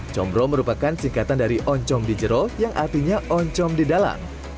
combro merupakan singkatan dari oncom di jero yang artinya oncom di dalam